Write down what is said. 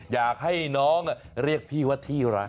อยากให้น้องเรียกพี่ว่าที่รัก